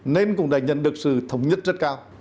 nên cũng đã nhận được sự thống nhất rất cao